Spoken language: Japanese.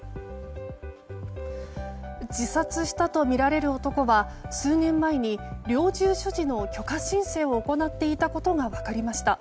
自殺したとみられる男は数年前に猟銃所持の許可申請を行っていたことが分かりました。